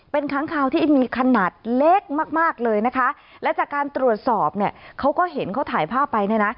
เป็นค้างคาวที่มีขนาดเล็กมากมากเลยนะคะและจากการตรวจสอบเนี่ยเขาก็เห็นเขาถ่ายภาพไปเนี่ยนะ